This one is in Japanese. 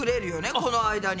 この間に。